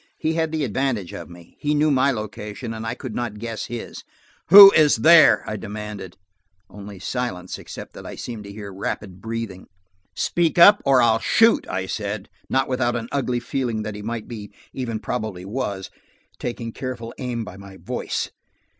He had the advantage of me. He knew my location, and I could not guess his. "Who is here?" I demanded. Only silence, except that I seemed to hear rapid breathing. "Speak up, or I'll shoot!" I said, not without an ugly feeling that he might be–even probably was–taking careful aim by my voice.